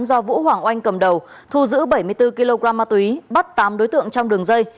do vũ hoàng oanh cầm đầu thu giữ bảy mươi bốn kg ma túy bắt tám đối tượng trong đường dây